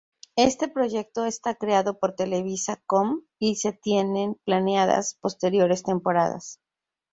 Este proyecto está creado por Televisa.com, y se tienen planeadas posteriores temporadas.